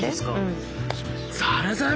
ザラザラ！